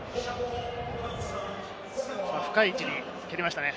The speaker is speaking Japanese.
深い位置に蹴りましたね。